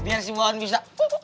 biar si bawan bisa